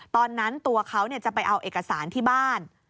ตอนนั้นตัวเขาจะไปเอาเอกสารที่บ้าน